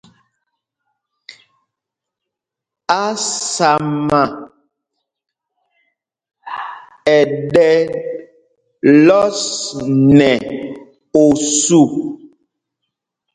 Ásama ɛ́ ɗɛ lɔs nɛ osû.